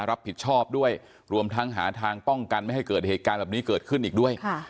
รับผิดชอบด้วยรวมทั้งหาทางป้องกันไม่ให้เกิดเหตุการณ์แบบนี้เกิดขึ้นอีกด้วย